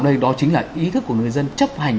đây đó chính là ý thức của người dân chấp hành